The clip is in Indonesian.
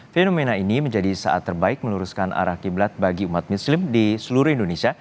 fenomena ini menjadi saat terbaik meluruskan arah qiblat bagi umat muslim di seluruh indonesia